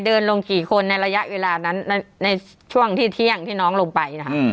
เดินลงกี่คนในระยะเวลานั้นในช่วงที่เที่ยงที่น้องลงไปนะคะ